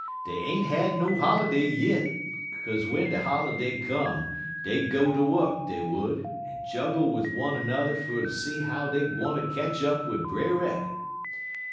Dey ain't had no holiday yit, 'kaze w'en de holiday come, dey'd go ter wuk, dey would, en juggle wid one er n'er fer ter see how dey gwine ter ketch up wid Brer Rabbit.